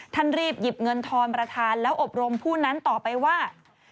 ท่านรีบหยิบเงินทอนประธานแล้วอบรมผู้นั้นต่อไปว่า